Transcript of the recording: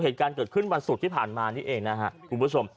เหตุการณ์เกิดขึ้นวันศุกร์ที่ผ่านมานี่เองนะฮะคุณผู้ชม